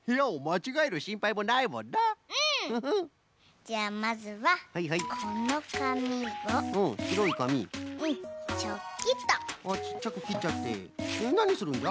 ちっちゃくきっちゃってなにするんじゃ？